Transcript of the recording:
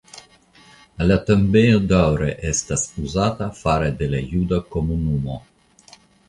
La tombejo daŭre estas uzata fare de la juda komunumo.